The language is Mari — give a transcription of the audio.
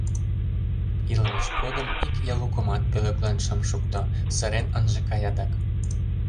Илымыж годым ик ялукымат пӧлеклен шым шукто, сырен ынже кай адак...